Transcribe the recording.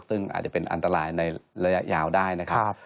ซึ่งอาจจะเป็นอันตรายในระยะยาวได้นะครับ